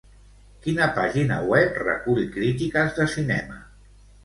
Quina pàgina web recull crítiques de cinema?